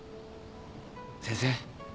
先生。